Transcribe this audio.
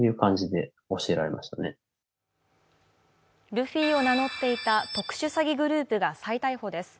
ルフィを名乗っていた特殊詐欺グループが再逮捕です。